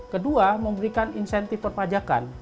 kedua memberikan insentif perpajakan